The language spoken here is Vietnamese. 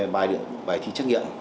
bài thi trắc nghiệm